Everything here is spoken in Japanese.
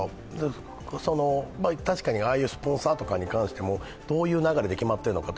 確かにああいうスポンサーに関してもどういう流れで決まったのか。